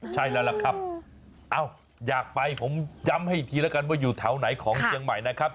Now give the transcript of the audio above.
ใช่แล้วล่ะครับอยากไปผมย้ำให้อีกทีแล้วกันว่าอยู่แถวไหนของเชียงใหม่นะครับ